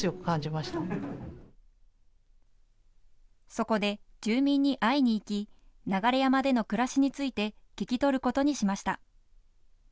そこで、住民に会いに行き流山での暮らしについて聞き取ることにしました。